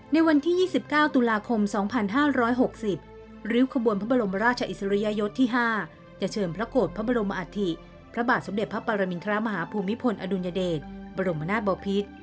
ในวันที่๒๙ตุลาคม๒๕๖๐ริ้วขบวนพระบรมราชอิสริยยศที่๕จะเชิญพระโกรธพระบรมอัฐิพระบาทสมเด็จพระปรมินทรมาฮภูมิพลอดุลยเดชบรมนาศบพิษ